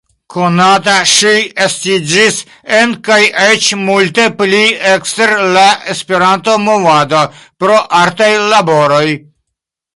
Konata ŝi estiĝis en kaj eĉ multe pli ekster la Esperanto-movado pro artaj laboroj.